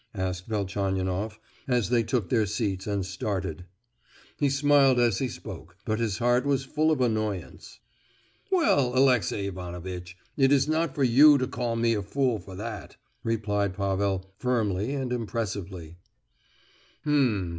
asked Velchaninoff, as they took their seats and started. He smiled as he spoke, but his heart was full of annoyance. "Well, Alexey Ivanovitch, it is not for you to call me a fool for that," replied Pavel, firmly and impressively. "H'm!